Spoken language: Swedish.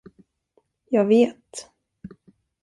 Jag vet.